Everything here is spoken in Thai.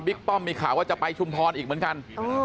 ป้อมมีข่าวว่าจะไปชุมพรอีกเหมือนกัน